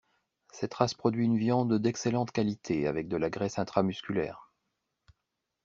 Cette race produit une viande d'excellente qualité avec de la graisse intramusculaire.